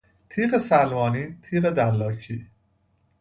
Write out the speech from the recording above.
تیغ سلمانی، تیغ دلاکی